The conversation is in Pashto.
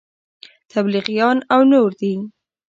تبلیغیان او نور دي.